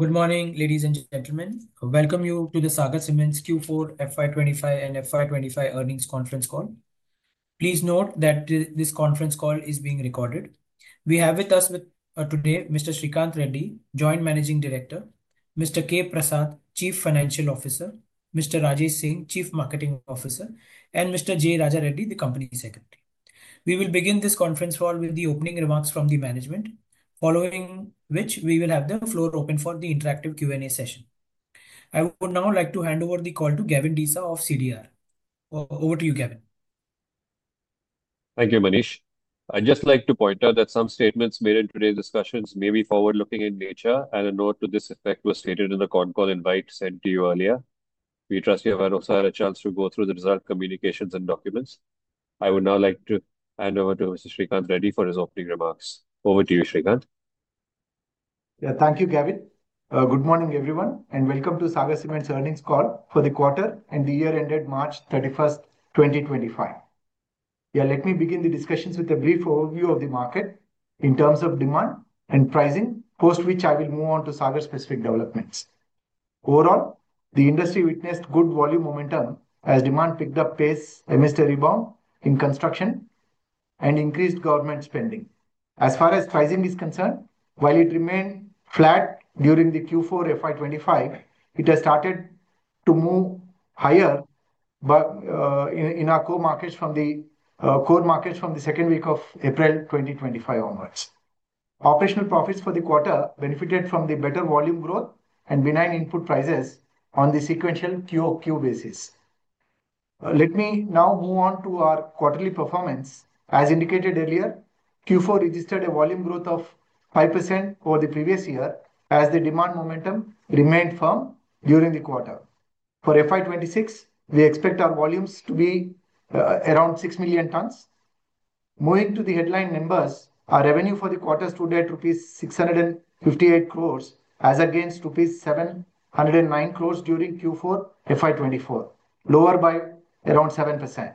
Good morning, ladies and gentlemen. Welcome you to the Sagar Cements Q4 FY25 and FY25 earnings conference call. Please note that this conference call is being recorded. We have with us today Mr. Sreekanth Reddy, Joint Managing Director; Mr. K. Prasad, Chief Financial Officer; Mr. Rajesh Singh, Chief Marketing Officer; and Mr. J. Raja Reddy, the Company Secretary. We will begin this conference call with the opening remarks from the management, following which we will have the floor open for the interactive Q&A session. I would now like to hand over the call to Gavin Desa of CDR. Over to you, Gavin. Thank you, Manish. I'd just like to point out that some statements made in today's discussions may be forward-looking in nature, and a note to this effect was stated in the con call invite sent to you earlier. We trust you have also had a chance to go through the result communications and documents. I would now like to hand over to Mr. Sreekanth Reddy for his opening remarks. Over to you, Sreekanth. Yeah, thank you, Gavin. Good morning, everyone, and welcome to Sagar Cements' earnings call for the quarter and the year ended March 31, 2025. Yeah, let me begin the discussions with a brief overview of the market in terms of demand and pricing, post which I will move on to Sagar-specific developments. Overall, the industry witnessed good volume momentum as demand picked up pace amidst a rebound in construction and increased government spending. As far as pricing is concerned, while it remained flat during Q4 FY25, it has started to move higher in our core markets from the second week of April 2025 onwards. Operational profits for the quarter benefited from the better volume growth and benign input prices on the sequential QOQ basis. Let me now move on to our quarterly performance. As indicated earlier, Q4 registered a volume growth of 5% over the previous year as the demand momentum remained firm during the quarter. For FY26, we expect our volumes to be around 6 million tonnes. Moving to the headline numbers, our revenue for the quarter stood at rupees 658 crore as against rupees 709 crore during Q4 FY24, lower by around 7%.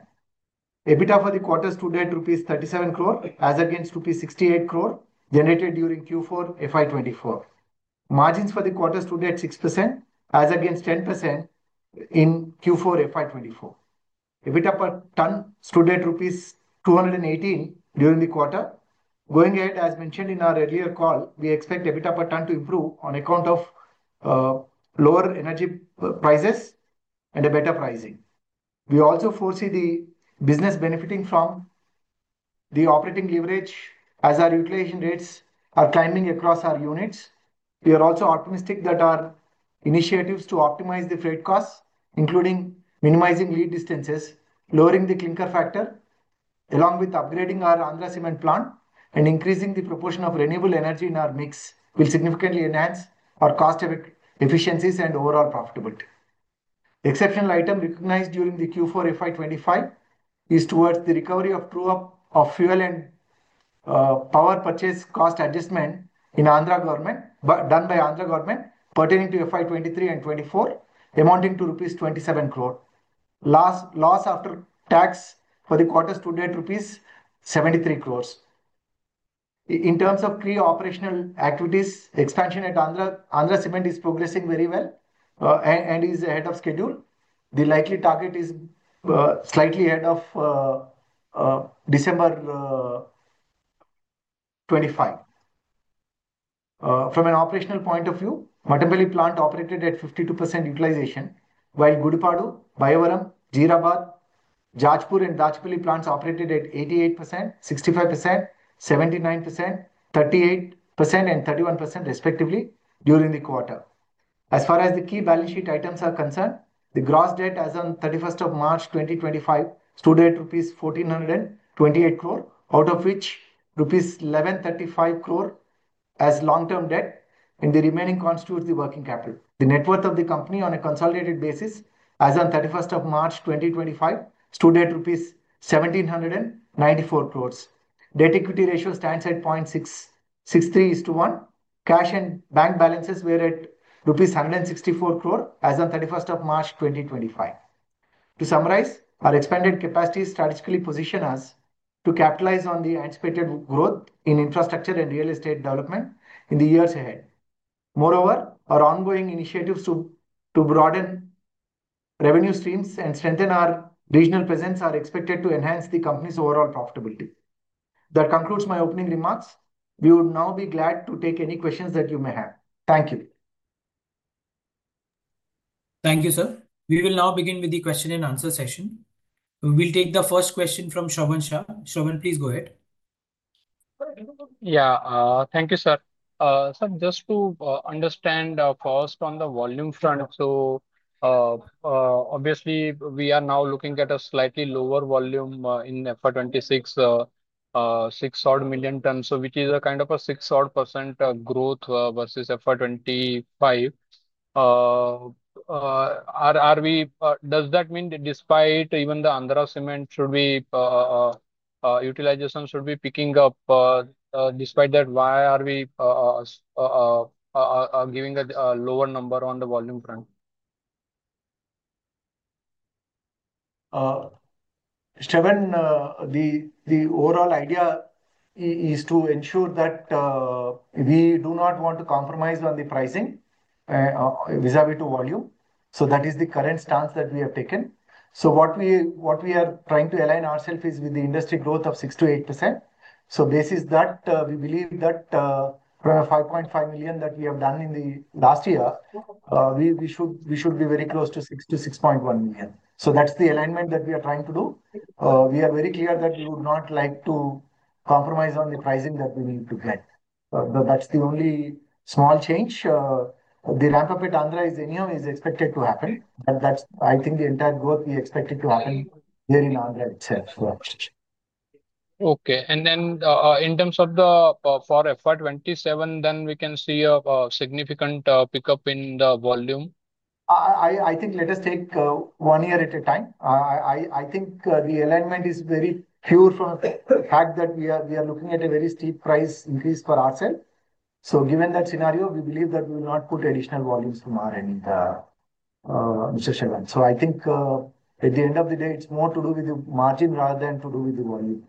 EBITDA for the quarter stood at rupees 37 crore as against rupees 68 crore generated during Q4 FY24. Margins for the quarter stood at 6% as against 10% in Q4 FY24. EBITDA per tonne stood at rupees 218 during the quarter. Going ahead, as mentioned in our earlier call, we expect EBITDA per tonne to improve on account of lower energy prices and better pricing. We also foresee the business benefiting from the operating leverage as our utilization rates are climbing across our units. We are also optimistic that our initiatives to optimize the freight costs, including minimizing lead distances, lowering the clinker factor, along with upgrading our Andhra Cements plant and increasing the proportion of renewable energy in our mix, will significantly enhance our cost efficiencies and overall profitability. Exceptional item recognized during the Q4 FY25 is towards the recovery of true-up of fuel and power purchase cost adjustment in Andhra government, done by Andhra government, pertaining to FY23 and 2024, amounting to rupees 27 crore. Loss after tax for the quarter stood at rupees 73 crore. In terms of key operational activities, expansion at Andhra Cements is progressing very well and is ahead of schedule. The likely target is slightly ahead of December 2025. From an operational point of view, Mattampally plant operated at 52% utilization, while Gudipadu, Bayyavaram, Jeerabad, Jajpur, and Dachepalli plants operated at 88%, 65%, 79%, 38%, and 31%, respectively, during the quarter. As far as the key balance sheet items are concerned, the gross debt as of March 31, 2025, stood at rupees 1,428 crore, out of which rupees 1,135 crore as long-term debt, and the remaining constitutes the working capital. The net worth of the company on a consolidated basis as on 31st of March, 2025, stood at rupees 1,794 crore. Debt-equity ratio stands at 0.63:1. Cash and bank balances were at rupees 164 crore as of 31st of March, 2025. To summarize, our expanded capacity is strategically positioned us to capitalize on the anticipated growth in infrastructure and real estate development in the years ahead. Moreover, our ongoing initiatives to broaden revenue streams and strengthen our regional presence are expected to enhance the company's overall profitability. That concludes my opening remarks. We would now be glad to take any questions that you may have. Thank you. Thank you, sir. We will now begin with the question-and-answer session. We will take the first question from Shravan Shah. Shravan, please go ahead. Yeah, thank you, sir. Sir, just to understand, first, on the volume front, so obviously, we are now looking at a slightly lower volume in FY26, six-odd million tonnes, which is a kind of a six-odd percent growth versus FY25. Does that mean despite even the Andhra Cements utilization should be picking up, despite that, why are we giving a lower number on the volume front? Shravan, the overall idea is to ensure that we do not want to compromise on the pricing vis-à-vis to volume. That is the current stance that we have taken. What we are trying to align ourselves with is the industry growth of 6%-8%. Basis that, we believe that from 5.5 million that we have done in the last year, we should be very close to 6 million-6.1 million. That is the alignment that we are trying to do. We are very clear that we would not like to compromise on the pricing that we need to get. That is the only small change. The ramp-up at Andhra is expected to happen. That is, I think, the entire growth we expected to happen here in Andhra itself. Okay. In terms of the for FY27, then we can see a significant pickup in the volume? I think let us take one year at a time. I think the alignment is very pure from the fact that we are looking at a very steep price increase for ourselves. Given that scenario, we believe that we will not put additional volumes to margin in the share. I think at the end of the day, it is more to do with the margin rather than to do with the volume.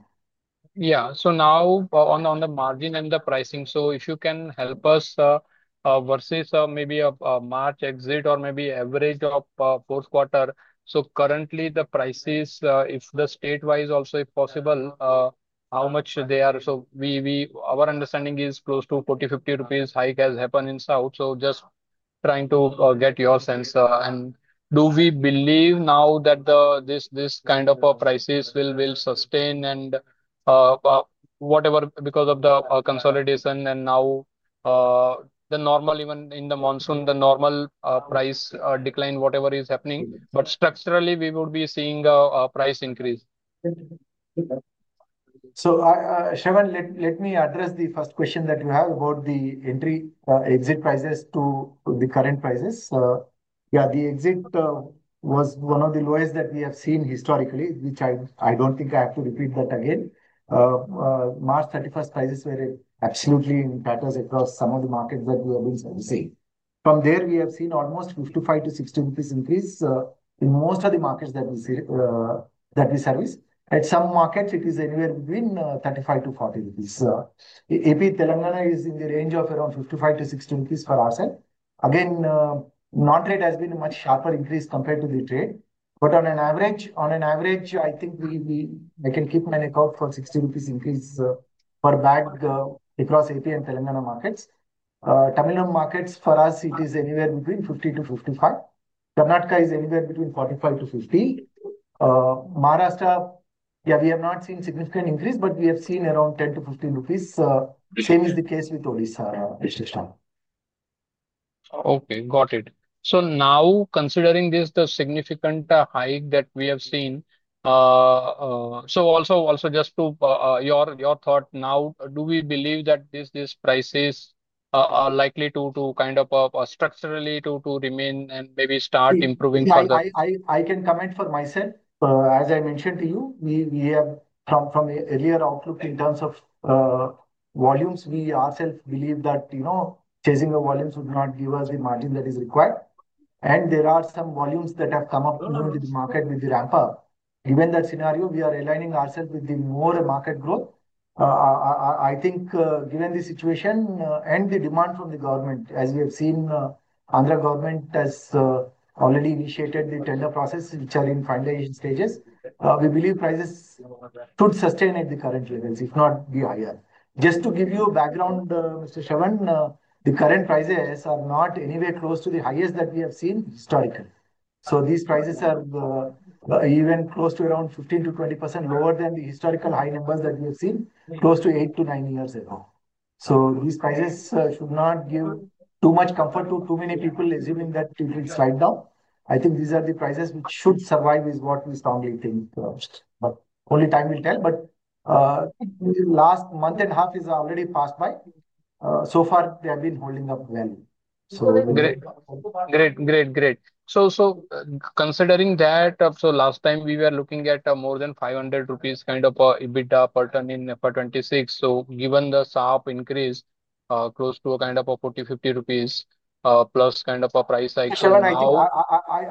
Yeah. Now on the margin and the pricing, if you can help us versus maybe a March exit or maybe average of fourth quarter. Currently, the prices, if the statewise also, if possible, how much they are. Our understanding is close to 40-50 rupees hike has happened in south. Just trying to get your sense. Do we believe now that this kind of prices will sustain and whatever because of the consolidation and now the normal, even in the monsoon, the normal price decline, whatever is happening. Structurally, we would be seeing a price increase. Shravan, let me address the first question that you have about the entry exit prices to the current prices. Yeah, the exit was one of the lowest that we have seen historically, which I do not think I have to repeat that again. March 31 prices were absolutely in patterns across some of the markets that we have been servicing. From there, we have seen almost 55-60 rupees increase in most of the markets that we service. At some markets, it is anywhere between 35-40 rupees. AP Telangana is in the range of around 55-60 rupees for ourselves. Again, non-trade has been a much sharper increase compared to the trade. On average, I think I can keep my record for 60 rupees increase per bag across AP and Telangana markets. Tamil Nadu markets, for us, it is anywhere between 50-55. Karnataka is anywhere between 45-50. Maharashtra, yeah, we have not seen significant increase, but we have seen around 10-15 rupees. Same is the case with Odisha. Okay, got it. Now, considering this, the significant hike that we have seen, also just to your thought, now, do we believe that these prices are likely to kind of structurally remain and maybe start improving further? Yeah, I can comment for myself. As I mentioned to you, from earlier outlook in terms of volumes, we ourselves believe that chasing the volumes would not give us the margin that is required. There are some volumes that have come up with the market with the ramp-up. Given that scenario, we are aligning ourselves with the more market growth. I think given the situation and the demand from the government, as we have seen, Andhra government has already initiated the tender process, which are in finalization stages. We believe prices should sustain at the current levels, if not be higher. Just to give you a background, Mr. Shravan, the current prices are not anywhere close to the highest that we have seen historically. These prices are even close to around 15%-20% lower than the historical high numbers that we have seen close to eight to nine years ago. These prices should not give too much comfort to too many people assuming that it will slide down. I think these are the prices which should survive is what we strongly think. Only time will tell. Last month and a half is already passed by. So far, they have been holding up well. Great. Great. So considering that, last time we were looking at more than 500 rupees kind of a EBITDA pattern in FY26. Given the sharp increase, close to a kind of a 40-50 rupees plus kind of a price cycle. Shravan,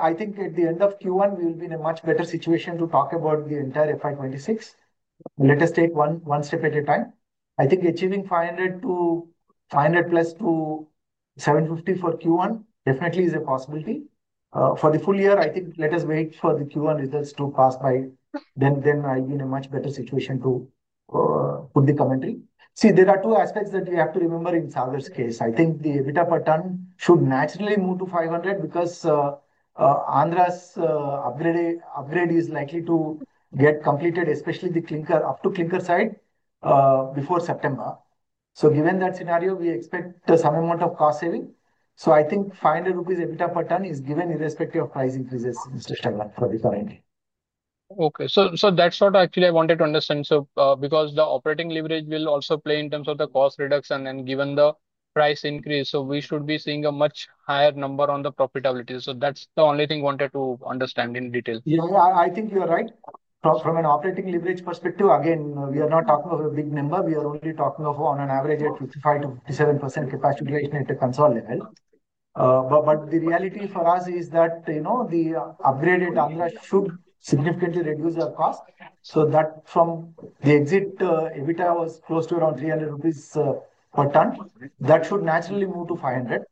I think at the end of Q1, we will be in a much better situation to talk about the entire FY26. Let us take one step at a time. I think achieving 500 to 500 plus to 750 for Q1 definitely is a possibility. For the full year, I think let us wait for the Q1 results to pass by. Then I'll be in a much better situation to put the commentary. See, there are two aspects that we have to remember in Sagar's case. I think the EBITDA per tonne should naturally move to 500 because Andhra's upgrade is likely to get completed, especially the clinker up to clinker side before September. Given that scenario, we expect some amount of cost saving. I think 500 rupees EBITDA per tonne is given irrespective of price increases, Mr. Shravan, for the current. Okay. That is what actually I wanted to understand. Because the operating leverage will also play in terms of the cost reduction and given the price increase, we should be seeing a much higher number on the profitability. That is the only thing I wanted to understand in detail. Yeah, I think you are right. From an operating leverage perspective, again, we are not talking of a big number. We are only talking of on an average at 55%-57% capacity creation at the consol level. The reality for us is that the upgraded Andhra should significantly reduce our cost. From the exit, EBITDA was close to around 300 rupees per tonne. That should naturally move to 500.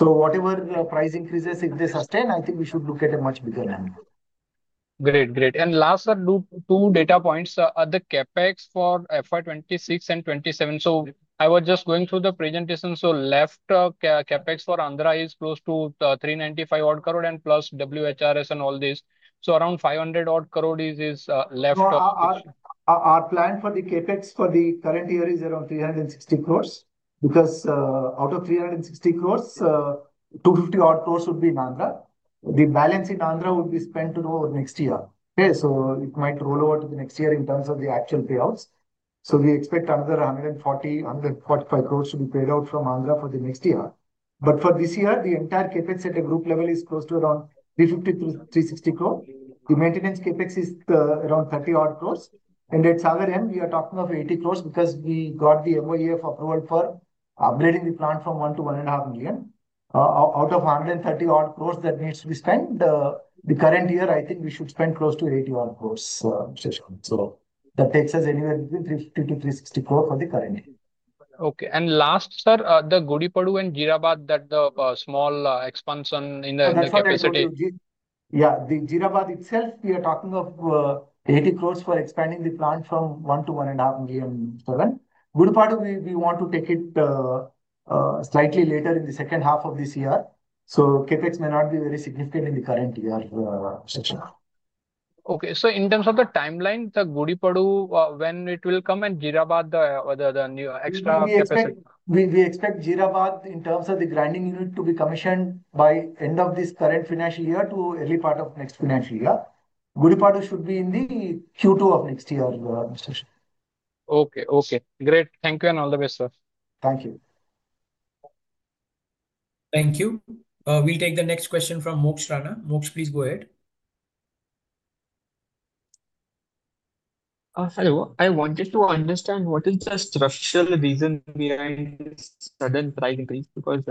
Whatever price increases, if they sustain, I think we should look at a much bigger number. Great. Great. Last, sir, two data points. The CapEx for FY2026 and 2027. I was just going through the presentation. Left CapEx for Andhra is close to 395 crore and plus WHRS and all this. Around 500 crore is left. Our plan for the CapEx for the current year is around 360 crore because out of 360 crore, 250-odd crore would be in Andhra. The balance in Andhra would be spent next year. Okay. It might roll over to the next year in terms of the actual payouts. We expect another 140, 145 crore to be paid out from Andhra for the next year. For this year, the entire CapEx at a group level is close to around 350-360 crore. The maintenance CapEx is around 30-odd crore. At Sagar M, we are talking of 80 crore because we got the MOEF approval for upgrading the plant from 1 million to 1.5 million. Out of 130-odd crore that needs to be spent, the current year, I think we should spend close to 80-odd crore. That takes us anywhere between 350 crore-360 crore for the current year. Okay. Last, sir, the Gudipadu and Jeerabad, that the small expansion in the capacity. Yeah, the Jeerabad itself, we are talking of 80 crore for expanding the plant from 1 million to 1.5 million, Shravan. Gudipadu, we want to take it slightly later in the second half of this year. CapEx may not be very significant in the current year. Okay. So in terms of the timeline, the Gudipadu, when it will come and Jeerabad, the extra capacity. We expect Jeerabad in terms of the grinding unit to be commissioned by end of this current financial year to early part of next financial year. Gudipadu should be in the Q2 of next year, Mr. Shravan. Okay. Okay. Great. Thank you and all the best, sir. Thank you. Thank you. We'll take the next question from Moksh Ranka. Moksh, please go ahead. Hello. I wanted to understand what is the structural reason behind this sudden price increase because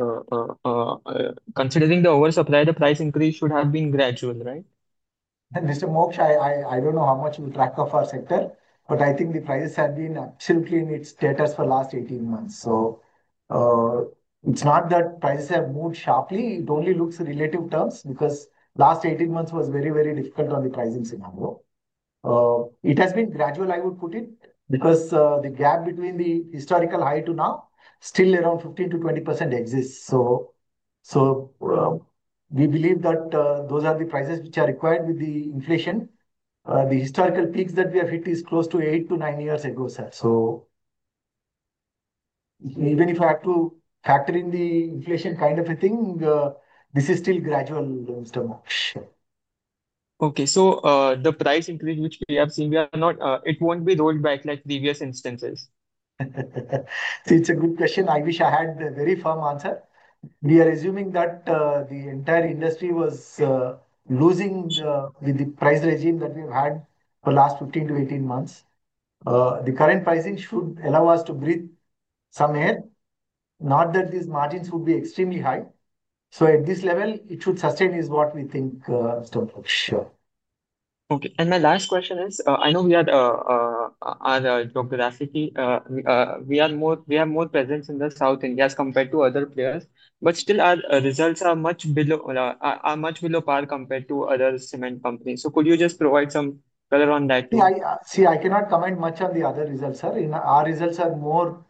considering the oversupply, the price increase should have been gradual, right? Mr. Moksh, I don't know how much you track of our sector, but I think the prices have been absolutely in its status for the last 18 months. It is not that prices have moved sharply. It only looks relative terms because the last 18 months was very, very difficult on the pricing scenario. It has been gradual, I would put it, because the gap between the historical high to now still around 15%-20% exists. We believe that those are the prices which are required with the inflation. The historical peaks that we have hit are close to eight to nine years ago, sir. Even if I have to factor in the inflation kind of a thing, this is still gradual, Mr. Moksh. Okay. So the price increase which we have seen, it won't be rolled back like previous instances? It's a good question. I wish I had a very firm answer. We are assuming that the entire industry was losing with the price regime that we've had for the last 15 to 18 months. The current pricing should allow us to breathe some air, not that these margins would be extremely high. At this level, it should sustain is what we think, Mr. Moksh. Okay. My last question is, I know we are more present in South India as compared to other players, but still our results are much below par compared to other cement companies. Could you just provide some color on that too? See, I cannot comment much on the other results, sir. Our results are more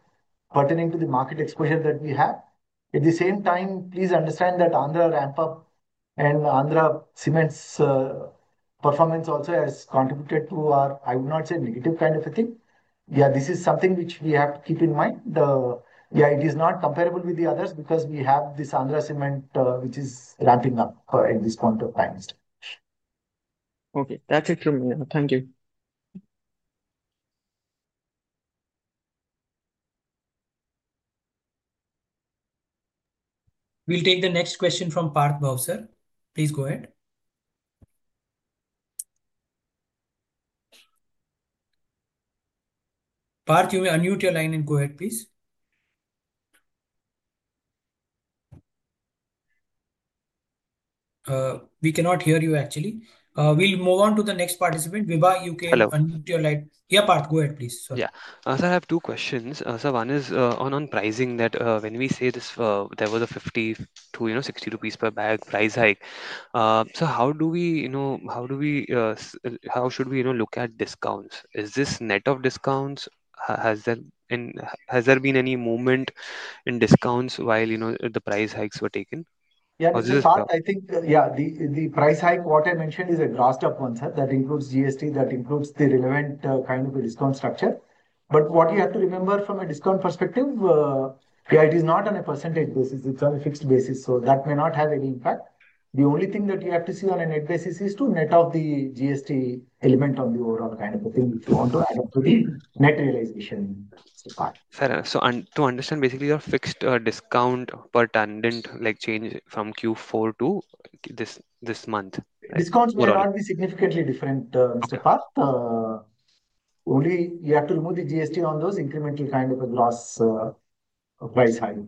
pertaining to the market exposure that we have. At the same time, please understand that Andhra ramp-up and Andhra Cements' performance also has contributed to our, I would not say negative kind of a thing. Yeah, this is something which we have to keep in mind. Yeah, it is not comparable with the others because we have this Andhra Cements which is ramping up at this point of time, Mr. Okay. That's it from me. Thank you. We'll take the next question from Parth Bhavsar. Please go ahead. Parth, you may unmute your line and go ahead, please. We cannot hear you, actually. We'll move on to the next participant. Vibha, you can unmute your line. Yeah, Parth, go ahead, please. Yeah. I have two questions. One is on pricing that when we say there was a 50-60 rupees per bag price hike, how do we look at discounts? Is this net of discounts? Has there been any movement in discounts while the price hikes were taken? Yeah, in fact, I think, yeah, the price hike, what I mentioned is a grossed-up one, sir. That includes GST, that includes the relevant kind of a discount structure. What you have to remember from a discount perspective, yeah, it is not on a percentage basis. It is on a fixed basis. That may not have any impact. The only thing that you have to see on a net basis is to net out the GST element on the overall kind of a thing if you want to add up to the net realization. To understand, basically, your fixed discount per tonne didnt' change from Q4 to this month? Discounts will not be significantly different, Mr. Parth. Only you have to remove the GST on those incremental kind of a gross price hike.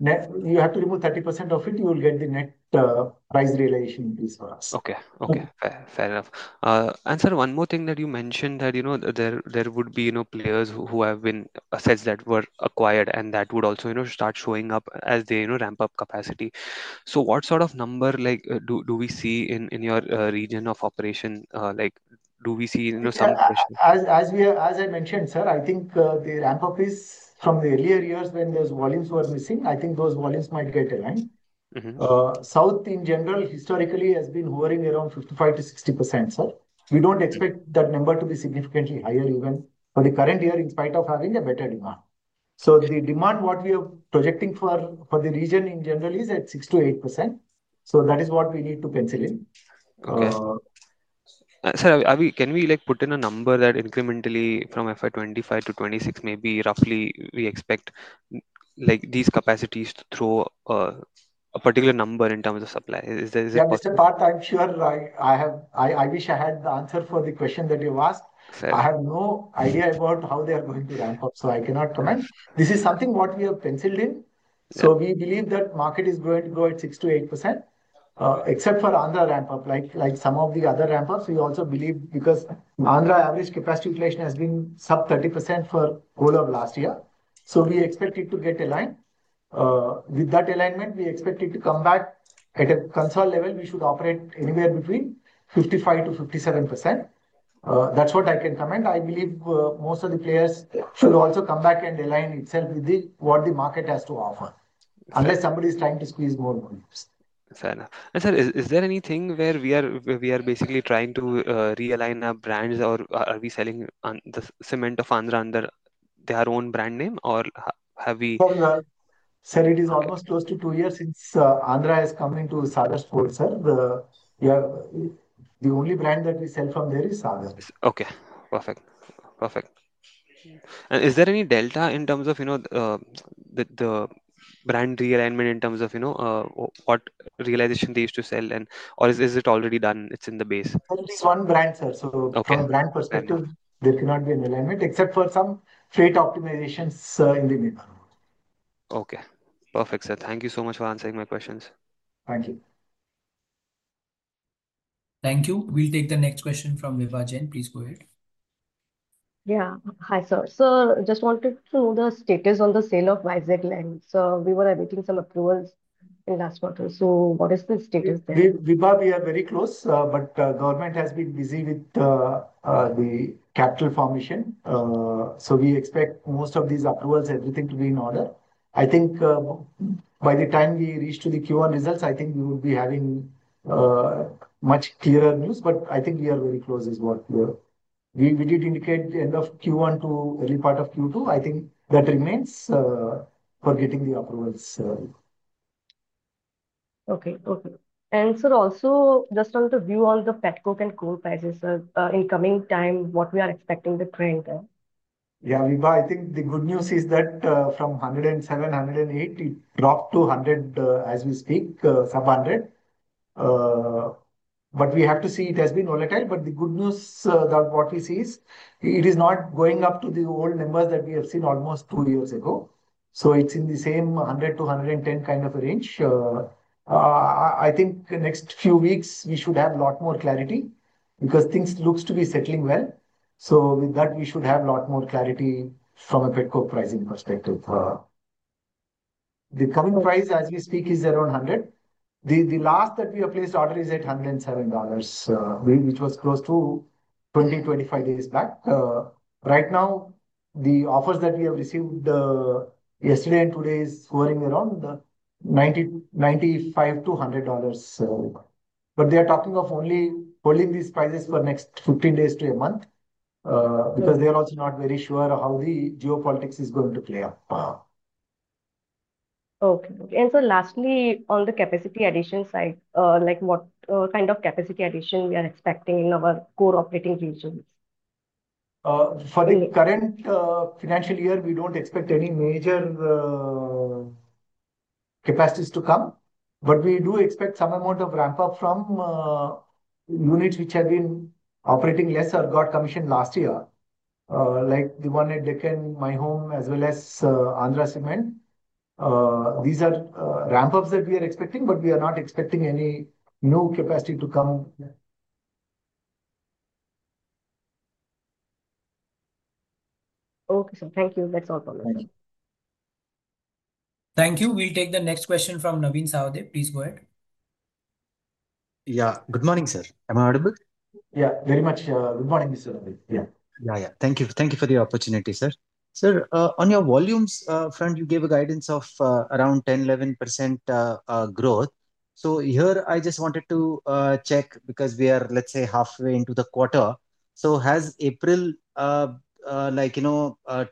You have to remove 30% of it, you will get the net price realization increase for us. Okay. Okay. Fair enough. Sir, one more thing that you mentioned, that there would be players who have been assets that were acquired, and that would also start showing up as they ramp up capacity. What sort of number do we see in your region of operation? Do we see some? As I mentioned, sir, I think the ramp-up is from the earlier years when those volumes were missing. I think those volumes might get aligned. South, in general, historically has been hovering around 55%-60%, sir. We do not expect that number to be significantly higher even for the current year in spite of having a better demand. The demand we are projecting for the region in general is at 6%-8%. That is what we need to pencil in. Sir, can we put in a number that incrementally from FY25 to 2026, maybe roughly we expect these capacities to throw a particular number in terms of supply? Yeah, Mr. Parth, I'm sure I wish I had the answer for the question that you've asked. I have no idea about how they are going to ramp up, so I cannot comment. This is something what we have penciled in. We believe that market is going to go at 6%-8%, except for Andhra ramp-up, like some of the other ramp-ups. We also believe because Andhra average capacity creation has been sub 30% for the whole of last year. We expect it to get aligned. With that alignment, we expect it to come back at a consol level. We should operate anywhere between 55%-57%. That's what I can comment. I believe most of the players should also come back and align itself with what the market has to offer, unless somebody is trying to squeeze more volumes. Fair enough. Sir, is there anything where we are basically trying to realign our brands or are we selling the cement of Andhra under their own brand name or have we? Sir, it is almost close to two years since Andhra has come into Sagar's port, sir. The only brand that we sell from there is Sagar. Okay. Perfect. Perfect. Is there any delta in terms of the brand realignment in terms of what realization they used to sell or is it already done? It's in the base? It's one brand, sir. From a brand perspective, there cannot be an alignment except for some freight optimizations in the neighborhood. Okay. Perfect, sir. Thank you so much for answering my questions. Thank you. Thank you. We'll take the next question from Vibha Jain. Please go ahead. Yeah. Hi, sir. I just wanted to know the status on the sale of Vizag Land. We were awaiting some approvals in the last quarter. What is the status there? Vibha, we are very close, but the government has been busy with the capital formation. We expect most of these approvals, everything to be in order. I think by the time we reach to the Q1 results, I think we will be having much clearer news. I think we are very close is what we did indicate end of Q1 to early part of Q2. I think that remains for getting the approvals. Okay. Okay. Sir, also, just want to view all the pet coke and coal prices, sir, in coming time, what we are expecting the trend there? Yeah, Vibha, I think the good news is that from $107, $108, it dropped to $100 as we speak, sub-$100. We have to see, it has been volatile, but the good news that what we see is it is not going up to the old numbers that we have seen almost two years ago. It is in the same $100-$110 kind of a range. I think next few weeks, we should have a lot more clarity because things look to be settling well. With that, we should have a lot more clarity from a pet coke pricing perspective. The coming price as we speak is around $100. The last that we have placed order is at $107, which was close to 20, 25 days back. Right now, the offers that we have received yesterday and today is hovering around $95-$100. They are talking of only holding these prices for the next 15 days to a month because they are also not very sure how the geopolitics is going to play out. Okay. Okay. Lastly, on the capacity addition side, what kind of capacity addition are we expecting in our core operating regions? For the current financial year, we do not expect any major capacities to come. We do expect some amount of ramp-up from units which have been operating less or got commissioned last year, like the one at Deccan, My Home, as well as Andhra Cements. These are ramp-ups that we are expecting, but we are not expecting any new capacity to come. Okay. Thank you. That's all from me. Thank you. We'll take the next question from Navin Sahadeo. Please go ahead. Yeah. Good morning, sir. Am I audible? Yeah. Very much. Good morning, Mr. Navin. Yeah. Thank you. Thank you for the opportunity, sir. Sir, on your volumes front, you gave a guidance of around 10-11% growth. Here, I just wanted to check because we are, let's say, halfway into the quarter. Has April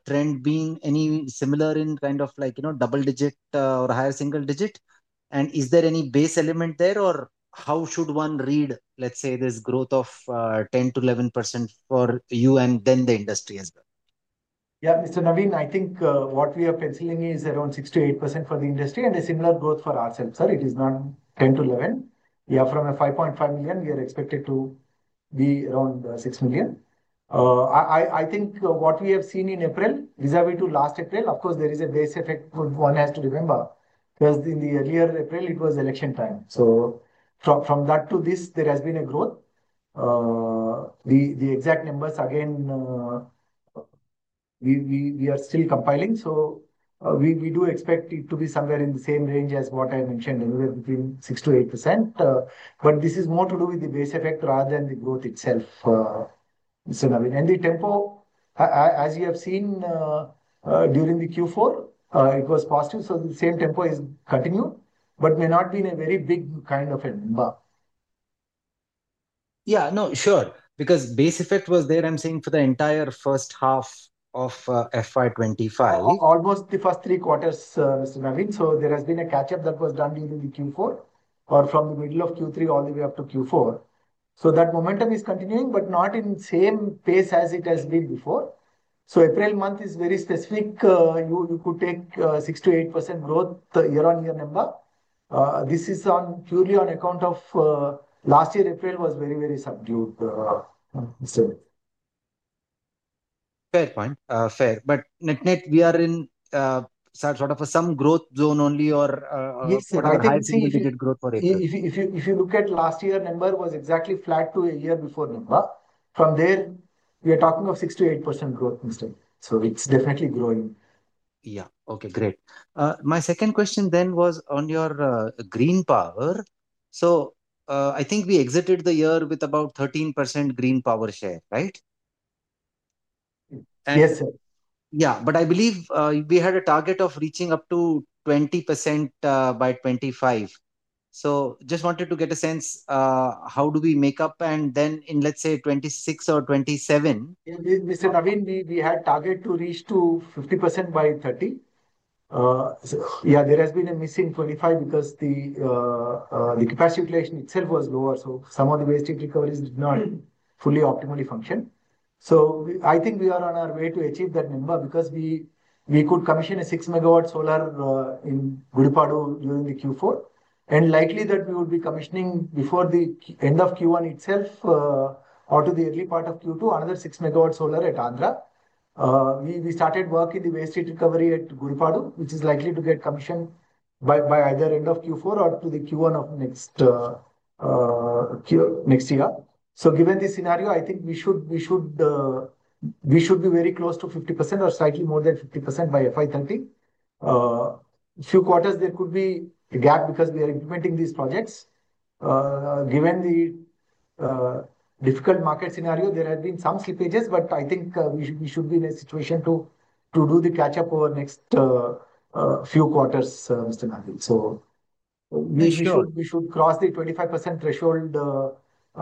trend been any similar in kind of double-digit or higher single-digit? Is there any base element there or how should one read, let's say, this growth of 10%-11% for you and then the industry as well? Yeah, Mr. Navin, I think what we are penciling is around 6%-8% for the industry and a similar growth for ourselves, sir. It is not 10%-11%. Yeah, from a 5.5 million, we are expected to be around 6 million. I think what we have seen in April vis-à-vis to last April, of course, there is a base effect one has to remember because in the earlier April, it was election time. From that to this, there has been a growth. The exact numbers, again, we are still compiling. We do expect it to be somewhere in the same range as what I mentioned, anywhere between 6%-8%. This is more to do with the base effect rather than the growth itself, Mr. Navin. The tempo, as you have seen during the Q4, it was positive. The same tempo is continued, but may not be in a very big kind of a number. Yeah. No, sure. Because base effect was there, I'm saying, for the entire first half of FY25. Almost the first three quarters, Mr. Navin. There has been a catch-up that was done during Q4 or from the middle of Q3 all the way up to Q4. That momentum is continuing, but not at the same pace as it has been before. April month is very specific. You could take 6%-8% growth year-on-year number. This is purely on account of last year. April was very, very subdued, Mr. Navin. Fair point. Fair. Net net, we are in sort of some growth zone only, or? Yes, I think significant growth for April. If you look at last year number, it was exactly flat to a year before number. From there, we are talking of 6%-8% growth, Mr. Navin. So it's definitely growing. Yeah. Okay. Great. My second question then was on your green power. So I think we exited the year with about 13% green power share, right? Yes, sir. Yeah. I believe we had a target of reaching up to 20% by 2025. Just wanted to get a sense, how do we make up? In, let's say, 2026 or 2027. Mr. Navin, we had targeted to reach to 50% by 2030. Yeah, there has been a missing 25% because the capacity creation itself was lower. Some of the wastage recoveries did not fully optimally function. I think we are on our way to achieve that number because we could commission a six MW solar in Gudipadu during Q4. It is likely that we would be commissioning before the end of Q1 itself or to the early part of Q2, another six MW solar at Andhra. We started working the wastage recovery at Gudipadu, which is likely to get commissioned by either end of Q4 or to the Q1 of next year. Given this scenario, I think we should be very close to 50% or slightly more than 50% by FY2020. Few quarters, there could be a gap because we are implementing these projects. Given the difficult market scenario, there have been some slippages, but I think we should be in a situation to do the catch-up over next few quarters, Mr. Navin. We should cross the 25% threshold,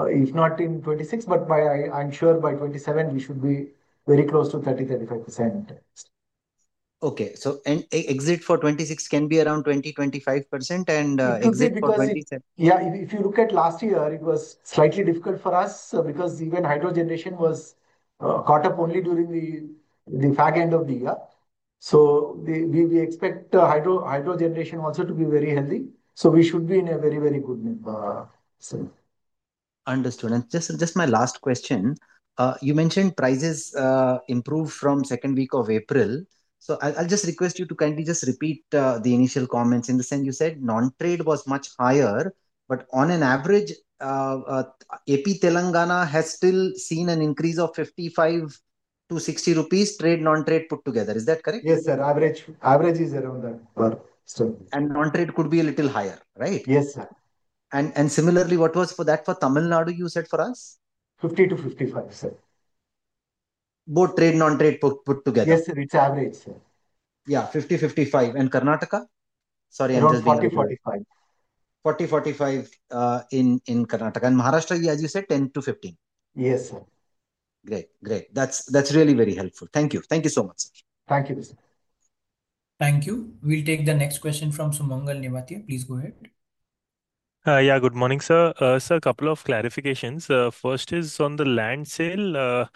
if not in 2026, but I am sure by 2027, we should be very close to 30%-35%. Okay. Exit for 2026 can be around 2%0-25% and exit for 2027. Yeah. If you look at last year, it was slightly difficult for us because even hydrogen generation was caught up only during the fag end of the year. We expect hydrogen generation also to be very healthy. We should be in a very, very good number, sir. Understood. And just my last question. You mentioned prices improved from second week of April. So I'll just request you to kindly just repeat the initial comments. In the sense you said, non-trade was much higher, but on an average, AP Telangana has still seen an increase of 55-60 rupees, trade non-trade put together. Is that correct? Yes, sir. Average is around that. Non-trade could be a little higher, right? Yes, sir. And similarly, what was for that for Tamil Nadu, you said for us? 50-55, sir. Both trade, non-trade put together. Yes, sir. It's average, sir. Yeah. 50, 55. And Karnataka? Sorry, I'm just. No, 40, 45. 40, 45 in Karnataka. Maharashtra, as you said, 10-15. Yes, sir. Great. That's really very helpful. Thank you. Thank you so much, sir. Thank you, sir. Thank you. We'll take the next question from Sumangal Nevatia. Please go ahead. Yeah. Good morning, sir. Sir, a couple of clarifications. First is on the land sale.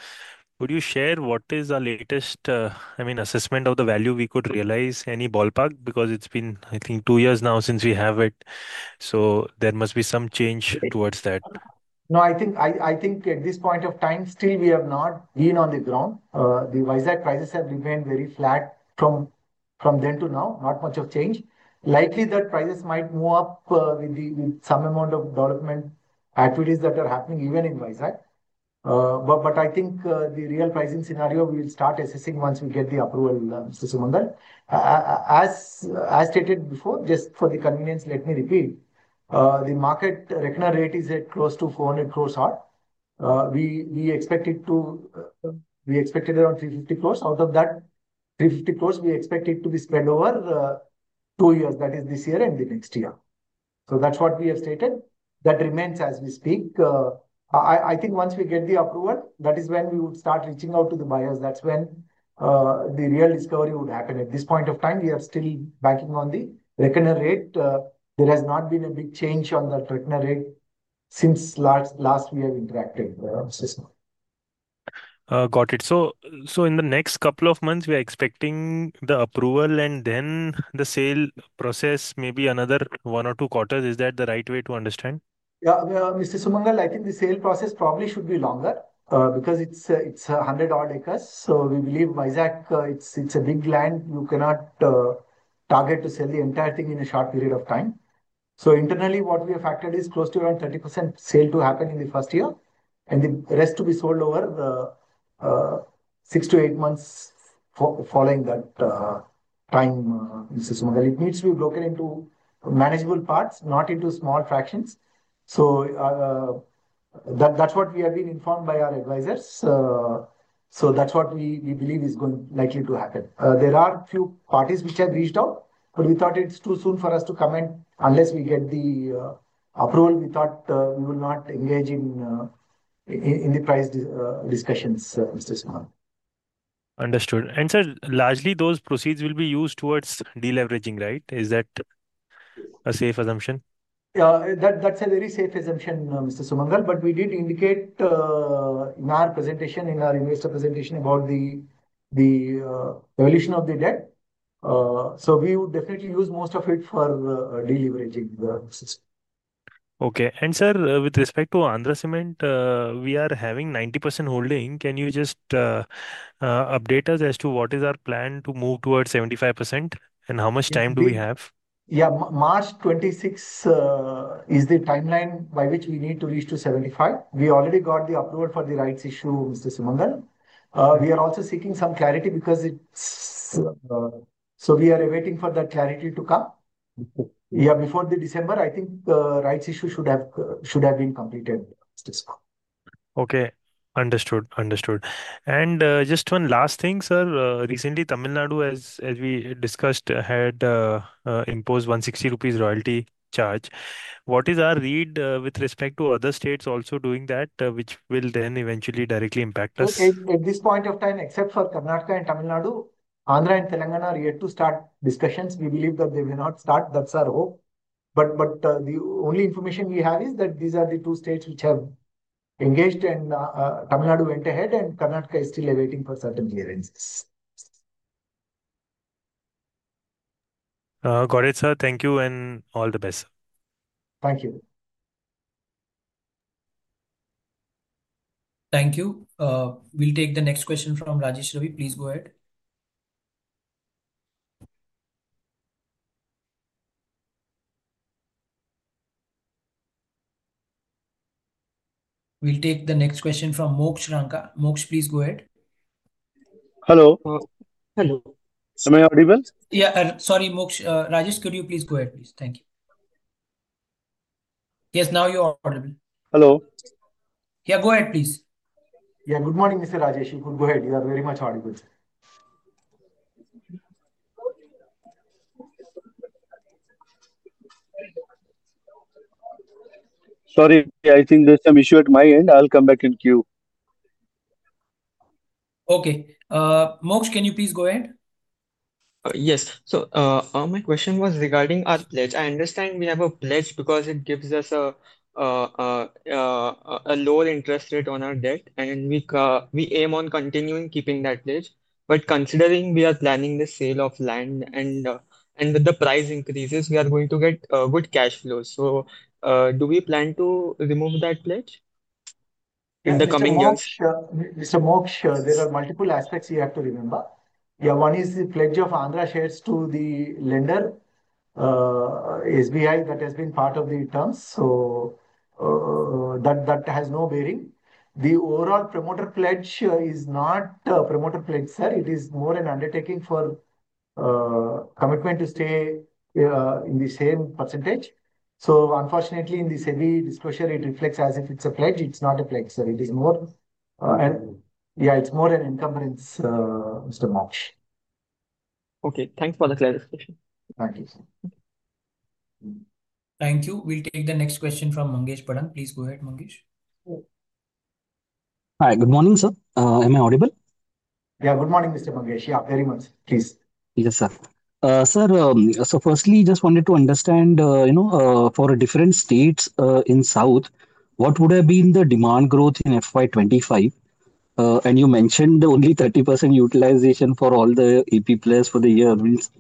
Would you share what is our latest, I mean, assessment of the value we could realize? Any ballpark? Because it's been, I think, two years now since we have it. There must be some change towards that. No, I think at this point of time, still we have not been on the ground. The Vizag prices have remained very flat from then to now. Not much of change. Likely that prices might move up with some amount of development activities that are happening even in Vizag. I think the real pricing scenario, we will start assessing once we get the approval, Mr. Sumangal. As stated before, just for the convenience, let me repeat. The market reckoner rate is at close to 400 crore odd. We expected around 350 crore. Out of that 350 crore, we expect it to be spread over two years. That is this year and the next year. That is what we have stated. That remains as we speak. I think once we get the approval, that is when we would start reaching out to the buyers. That's when the real discovery would happen. At this point of time, we are still banking on the reckoner rate. There has not been a big change on that reckoner rate since last we have interacted. Got it. In the next couple of months, we are expecting the approval and then the sale process, maybe another one or two quarters. Is that the right way to understand? Yeah. Mr. Sumangal, I think the sale process probably should be longer because it's 100 odd acres. We believe Vizag, it's a big land. You cannot target to sell the entire thing in a short period of time. Internally, what we have factored is close to around 30% sale to happen in the first year and the rest to be sold over the six to eight months following that time, Mr. Sumangal. It needs to be broken into manageable parts, not into small fractions. That's what we have been informed by our advisors. That's what we believe is going likely to happen. There are a few parties which have reached out, but we thought it's too soon for us to comment unless we get the approval. We thought we will not engage in the price discussions, Mr. Sumangal. Understood. Sir, largely, those proceeds will be used towards deleveraging, right? Is that a safe assumption? Yeah. That is a very safe assumption, Mr. Sumangal. We did indicate in our presentation, in our investor presentation about the evolution of the debt. We would definitely use most of it for deleveraging. Okay. Sir, with respect to Andhra Cements, we are having 90% holding. Can you just update us as to what is our plan to move towards 75% and how much time do we have? Yeah. March 2026 is the timeline by which we need to reach to 75%. We already got the approval for the rights issue, Mr. Sumangal. We are also seeking some clarity because it's so we are awaiting for that clarity to come. Yeah. Before December, I think rights issue should have been completed, Mr. Sumangal. Okay. Understood. Understood. Just one last thing, sir. Recently, Tamil Nadu, as we discussed, had imposed 160 rupees royalty charge. What is our read with respect to other states also doing that, which will then eventually directly impact us? Okay. At this point of time, except for Karnataka and Tamil Nadu, Andhra and Telangana are yet to start discussions. We believe that they will not start. That is our hope. The only information we have is that these are the two states which have engaged, and Tamil Nadu went ahead, and Karnataka is still awaiting for certain clearances. Got it, sir. Thank you. All the best, sir. Thank you. Thank you. We'll take the next question from Rajesh Ravi. Please go ahead. We'll take the next question from Moksh Ranka. Moksh, please go ahead. Hello. Hello. Am I audible? Yeah. Sorry, Moksh. Rajesh, could you please go ahead, please? Thank you. Yes. Now you're audible. Hello. Yeah. Go ahead, please. Yeah. Good morning, Mr. Rajesh. You could go ahead. You are very much audible. Sorry. I think there's some issue at my end. I'll come back in queue. Okay. Moksh, can you please go ahead? Yes. My question was regarding our pledge. I understand we have a pledge because it gives us a lower interest rate on our debt, and we aim on continuing keeping that pledge. Considering we are planning the sale of land and with the price increases, we are going to get good cash flows. Do we plan to remove that pledge in the coming years? Mr. Moksh, there are multiple aspects you have to remember. Yeah. One is the pledge of Andhra shares to the lender, SBI, that has been part of the terms. That has no bearing. The overall promoter pledge is not a promoter pledge, sir. It is more an undertaking for commitment to stay in the same percentage. Unfortunately, in this heavy disclosure, it reflects as if it's a pledge. It's not a pledge, sir. It is more, and yeah, it's more an encumbrance, Mr. Moksh. Okay. Thanks for the clarification. Thank you, sir. Thank you. We'll take the next question from Mangesh Bhadang. Please go ahead, Mangesh. Hi. Good morning, sir. Am I audible? Yeah. Good morning, Mr. Mangesh. Yeah. Very much. Please. Yes, sir. Sir, so firstly, just wanted to understand for different states in South, what would have been the demand growth in FY25? You mentioned only 30% utilization for all the AP players for the year. Means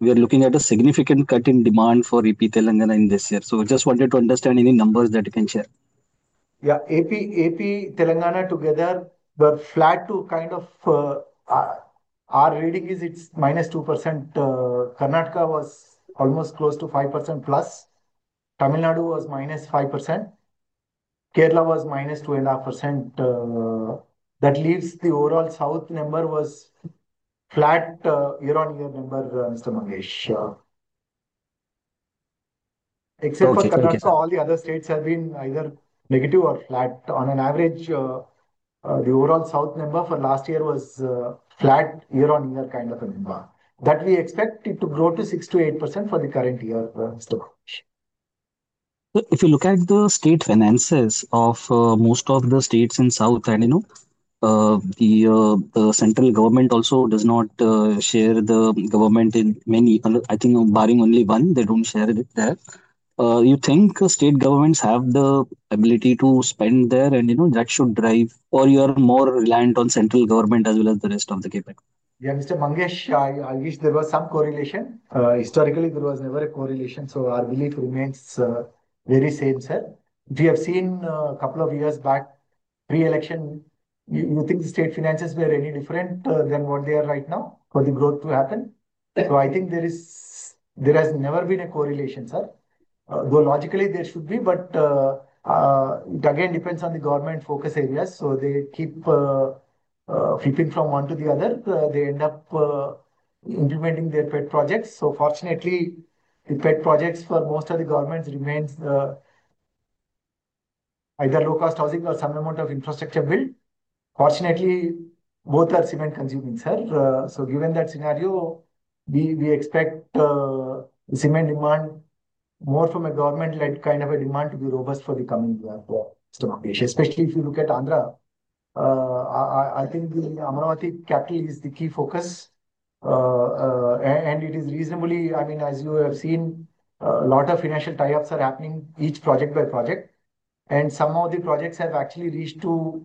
we are looking at a significant cut in demand for AP, Telangana in this year. Just wanted to understand any numbers that you can share. Yeah. AP Telangana together were flat to kind of our reading is it's -2%. Karnataka was almost close to 5%+. Tamil Nadu was -5%. Kerala was -2.5%. That leaves the overall south number was flat year-on-year number, Mr. Mangesh. Except for Karnataka, all the other states have been either negative or flat. On an average, the overall south number for last year was flat year-on-year kind of a number. That we expect it to grow to 6%-8% for the current year, Mr. Mangesh. If you look at the state finances of most of the states in South, and the central government also does not share the government in many, I think barring only one, they do not share it there. You think state governments have the ability to spend there, and that should drive or you are more reliant on central government as well as the rest of the KPI? Yeah. Mr. Mangesh, I wish there was some correlation. Historically, there was never a correlation. Our belief remains very same, sir. We have seen a couple of years back pre-election, you think the state finances were any different than what they are right now for the growth to happen? I think there has never been a correlation, sir. Though logically, there should be, but it again depends on the government focus areas. They keep flipping from one to the other. They end up implementing their pet projects. Fortunately, the pet projects for most of the governments remain either low-cost housing or some amount of infrastructure built. Fortunately, both are cement-consuming, sir. Given that scenario, we expect the cement demand more from a government-led kind of a demand to be robust for the coming year, Mr. Mangesh. Especially if you look at Andhra, I think the Amaravati capital is the key focus. It is reasonably, I mean, as you have seen, a lot of financial tie-ups are happening each project by project. Some of the projects have actually reached to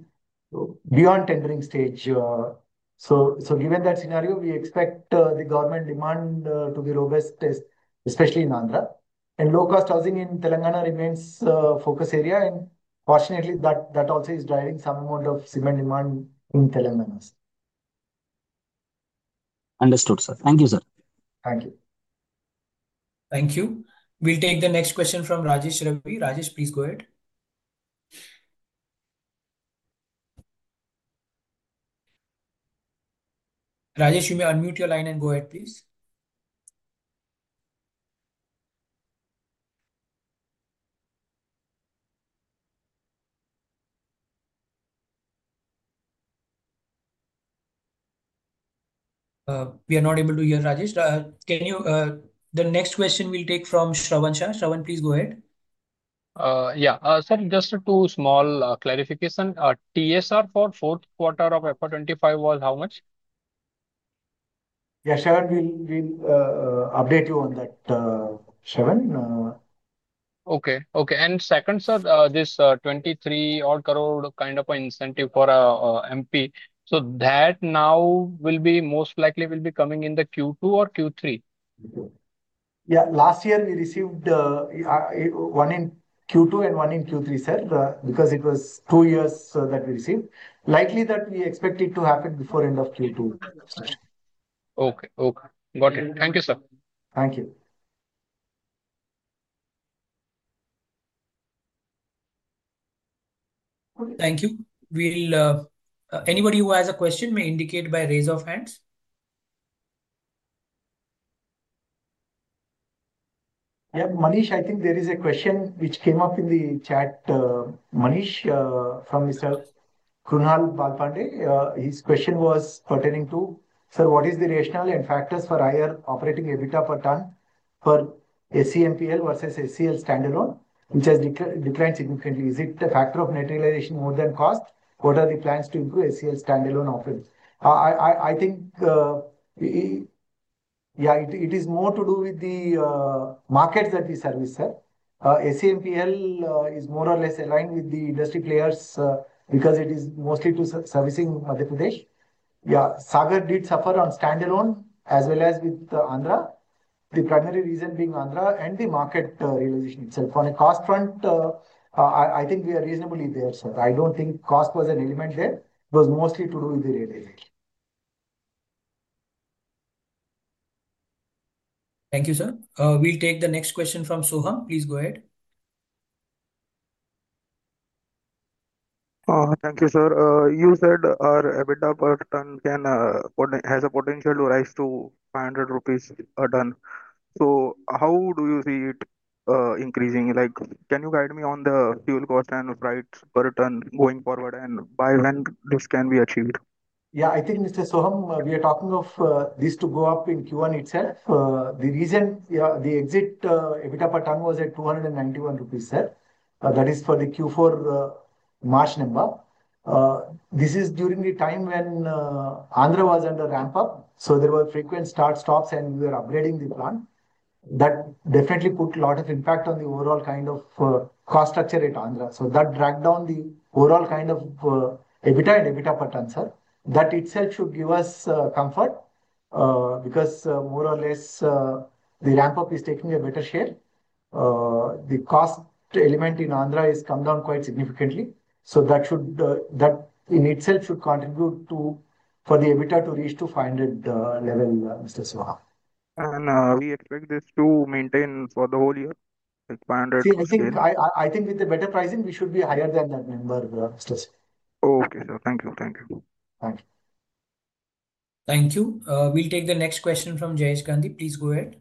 beyond tendering stage. Given that scenario, we expect the government demand to be robust, especially in Andhra. Low-cost housing in Telangana remains a focus area. Fortunately, that also is driving some amount of cement demand in Telangana. Understood, sir. Thank you, sir. Thank you. Thank you. We'll take the next question from Rajesh Ravi. Rajesh, please go ahead. Rajesh, you may unmute your line and go ahead, please. We are not able to hear Rajesh. The next question we'll take from Shravan Shah. Shravan, please go ahead. Yeah. Sir, just a two small clarification. TSR for fourth quarter of FY25 was how much? Yeah. Shravan, we'll update you on that, Shravan. Okay. Okay. And second, sir, this 23 odd crore kind of an incentive for MP. So that now will be most likely will be coming in the Q2 or Q3? Yeah. Last year, we received one in Q2 and one in Q3, sir, because it was two years that we received. Likely that we expected to happen before end of Q2. Okay. Okay. Got it. Thank you, sir. Thank you. Thank you. Anybody who has a question may indicate by raise of hands. Yeah. Manish, I think there is a question which came up in the chat. Manish from Mr. Krunal Balpande. His question was pertaining to, "Sir, what is the rationale and factors for IR operating EBITDA per tonne for SCMPL versus SCL stand-alone, which has declined significantly? Is it a factor of net realization more than cost? What are the plans to improve SCL stand-alone offerings?" I think, yeah, it is more to do with the markets that we service, sir. SCMPL is more or less aligned with the industry players because it is mostly to servicing Madhya Pradesh. Yeah. Sagar did suffer on stand-alone as well as with Andhra. The primary reason being Andhra and the market realization itself. On a cost front, I think we are reasonably there, sir. I do not think cost was an element there. It was mostly to do with the realization. Thank you, sir. We'll take the next question from Soham. Please go ahead. Thank you, sir. You said our EBITDA per tonne has a potential to rise to 500 rupees a tonne. So how do you see it increasing? Can you guide me on the fuel cost and price per tonne going forward, and by when this can be achieved? Yeah. I think, Mr. Soham, we are talking of this to go up in Q1 itself. The exit EBITDA per tonne was at 291 rupees, sir. That is for the Q4 March number. This is during the time when Andhra was under ramp-up. There were frequent start-stops, and we were upgrading the plant. That definitely put a lot of impact on the overall kind of cost structure at Andhra. That dragged down the overall kind of EBITDA and EBITDA per tonne, sir. That itself should give us comfort because more or less the ramp-up is taking a better share. The cost element in Andhra has come down quite significantly. That in itself should contribute for the EBITDA to reach to 500 level, Mr. Soham. We expect this to maintain for the whole year, 500? I think with the better pricing, we should be higher than that number, Mr. Soham. Okay, sir. Thank you. Thank you. Thank you. Thank you. We'll take the next question from Jayesh Gandhi. Please go ahead.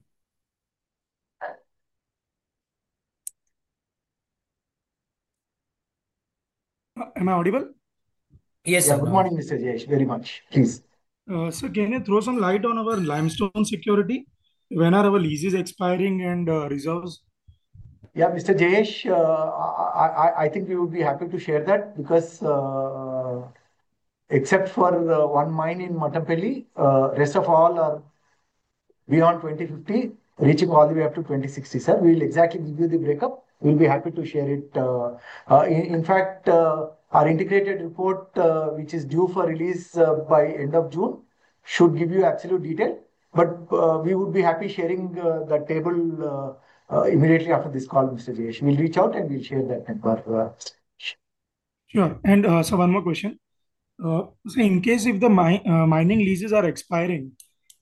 Am I audible? Yes, sir. Good morning, Mr. Jayesh. Very much. Please. Can you throw some light on our limestone security? When are our leases expiring and reserves? Yeah, Mr. Jayesh, I think we would be happy to share that because except for one mine in Mattampally, the rest of all are beyond 2050, reaching all the way up to 2060, sir. We will exactly give you the breakup. We'll be happy to share it. In fact, our integrated report, which is due for release by end of June, should give you absolute detail. We would be happy sharing the table immediately after this call, Mr. Jayesh. We'll reach out and we'll share that number. Sure. One more question. In case if the mining leases are expiring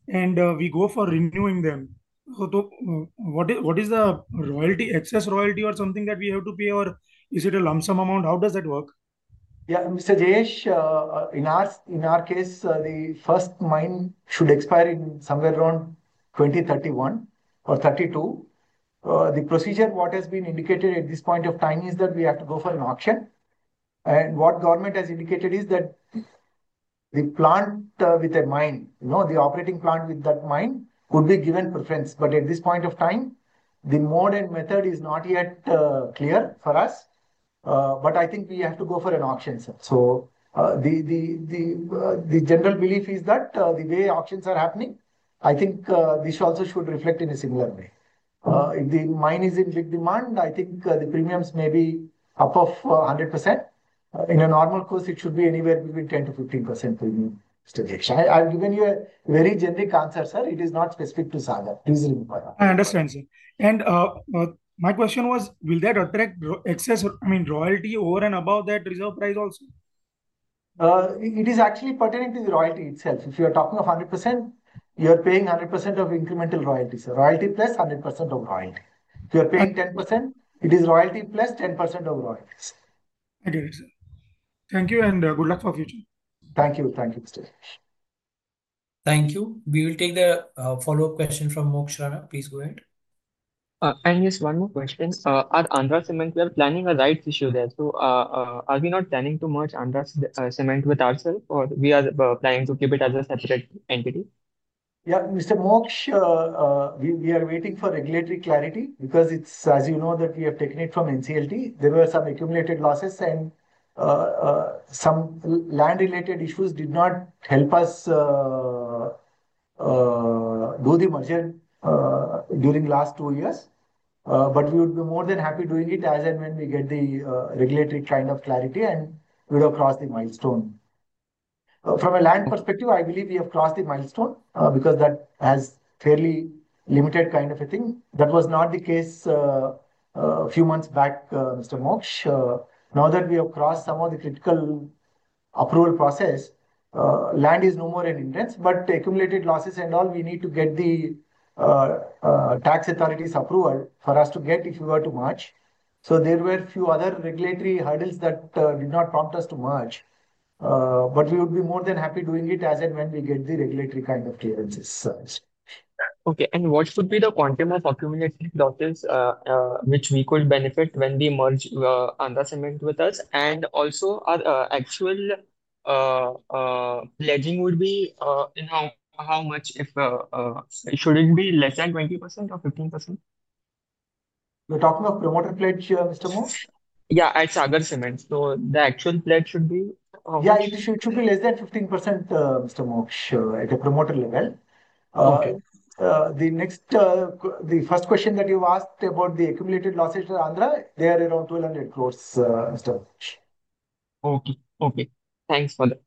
and we go for renewing them, what is the royalty, excess royalty or something that we have to pay, or is it a lump sum amount? How does that work? Yeah, Mr. Jayesh, in our case, the first mine should expire in somewhere around 2031 or 2032. The procedure what has been indicated at this point of time is that we have to go for an auction. What government has indicated is that the plant with the mine, the operating plant with that mine would be given preference. At this point of time, the mode and method is not yet clear for us. I think we have to go for an auction, sir. The general belief is that the way auctions are happening, I think this also should reflect in a similar way. If the mine is in big demand, I think the premiums may be up of 100%. In a normal course, it should be anywhere between 10%-15% premium, Mr. Jayesh. I've given you a very generic answer, sir. It is not specific to Sagar. Please remember that. I understand, sir. My question was, will that attract excess, I mean, royalty over and above that reserve price also? It is actually pertaining to the royalty itself. If you are talking of 100%, you are paying 100% of incremental royalty, sir. Royalty plus 100% of royalty. If you are paying 10%, it is royalty plus 10% of royalty. Okay, sir. Thank you, and good luck for the future. Thank you. Thank you, Mr. Jayesh. Thank you. We will take the follow-up question from Moksh Ra. Please go ahead. Just one more question. Are Andhra Cements, we are planning a rights issue there. Are we not planning to merge Andhra Cements with ourselves, or are we planning to keep it as a separate entity? Yeah, Mr. Moksh, we are waiting for regulatory clarity because it's, as you know, that we have taken it from NCLT. There were some accumulated losses, and some land-related issues did not help us do the merger during the last two years. We would be more than happy doing it as and when we get the regulatory kind of clarity, and we will have crossed the milestone. From a land perspective, I believe we have crossed the milestone because that has fairly limited kind of a thing. That was not the case a few months back, Mr. Moksh. Now that we have crossed some of the critical approval process, land is no more an end rents, but accumulated losses and all, we need to get the tax authority's approval for us to get if we were to merge. There were a few other regulatory hurdles that did not prompt us to merge. We would be more than happy doing it as and when we get the regulatory kind of clearances, sir. Okay. What would be the quantum of accumulated losses which we could benefit when we merge Andhra Cements with us? Also, actual pledging would be how much? Should it be less than 20% or 15%? You're talking of promoter pledge, Mr. Moksh? Yeah, at Sagar Cements. So the actual pledge should be? Yeah, it should be less than 15%, Mr. Moksh, at the promoter level. Okay. The first question that you asked about the accumulated losses to Andhra, they are around 1,200 crore, Mr. Moksh. Okay. Thanks for that.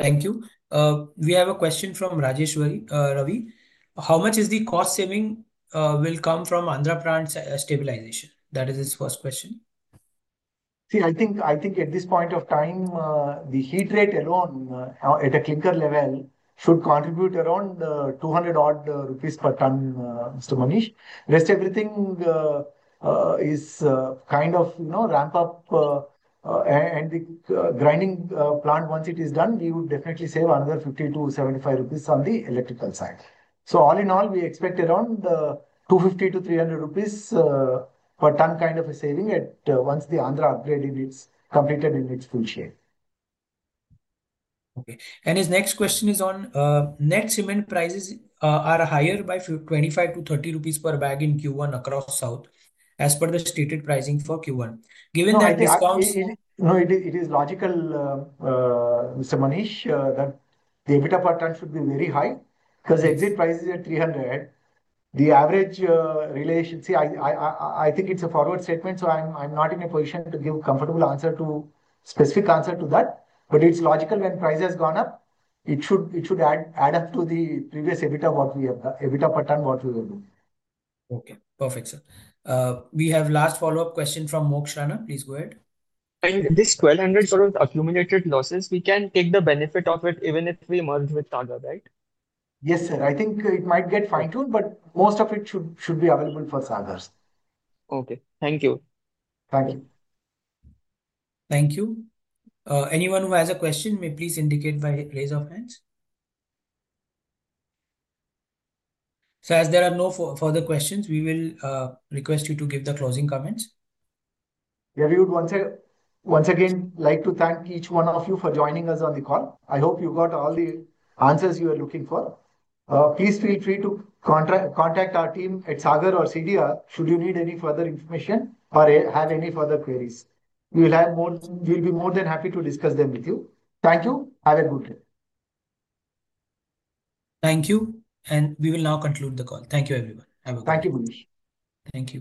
Thank you. We have a question from Rajesh Ravi. How much is the cost saving will come from Andhra plant stabilization? That is his first question. See, I think at this point of time, the heat rate alone at a clinker level should contribute around 200 rupees per tonne, Mr. Manish. The rest, everything is kind of ramp-up, and the grinding plant, once it is done, we would definitely save another 50-75 rupees on the electrical side. All in all, we expect around 250-300 rupees per tonne kind of a saving once the Andhra upgrade is completed in its full shape. Okay. His next question is on net cement prices are higher by INR 25-INR 30 per bag in Q1 across South as per the stated pricing for Q1. Given that discounts. No, it is logical, Mr. Manish, that the EBITDA per tonne should be very high because exit prices are 300. The average relation, see, I think it's a forward statement, so I'm not in a position to give a comfortable answer to specific answer to that. But it's logical when price has gone up, it should add up to the previous EBITDA per tonne what we will do. Okay. Perfect, sir. We have last follow-up question from Moksh Ranka. Please go ahead. 1,200 crore accumulated losses, we can take the benefit of it even if we merge with Sagar, right? Yes, sir. I think it might get fine-tuned, but most of it should be available for Sagar. Okay. Thank you. Thank you. Thank you. Anyone who has a question may please indicate by raise of hands. As there are no further questions, we will request you to give the closing comments. Yeah, we would once again like to thank each one of you for joining us on the call. I hope you got all the answers you were looking for. Please feel free to contact our team at Sagar or CDR should you need any further information or have any further queries. We will be more than happy to discuss them with you. Thank you. Have a good day. Thank you. We will now conclude the call. Thank you, everyone. Have a good day. Thank you, Manish. Thank you.